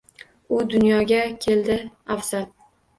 U dunyoga keldi afzal